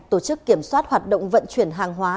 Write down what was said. tổ chức kiểm soát hoạt động vận chuyển hàng hóa